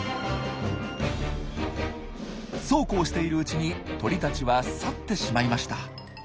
そうこうしているうちに鳥たちは去ってしまいました。